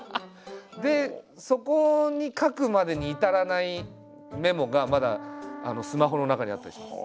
でそこに書くまでに至らないメモがまだスマホの中にあったりします。